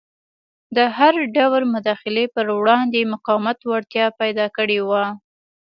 د هر ډول مداخلې پر وړاندې مقاومت وړتیا پیدا کړې وه.